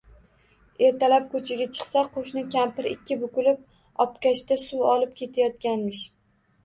Ertalab ko‘chaga chiqsa, qo‘shni kampir ikki bukilib obkashda suv olib ketayotganmish.